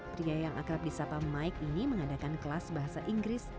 pria yang akrab di sapa mike ini mengadakan kelas bahasa inggris